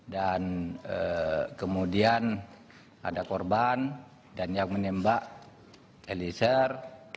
dan kemudian ada korban dan yang menembak eliezer